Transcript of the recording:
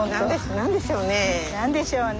何でしょうねえ？